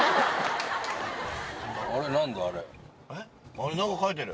あれ何か書いてある。